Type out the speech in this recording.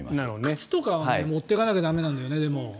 靴とかは持っていかないと駄目なんだよね。